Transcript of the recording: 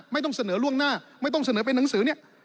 ไม่ต้องเสนอล่วงหน้าไม่ต้องเสนอเป็นหนังสือเนี่ย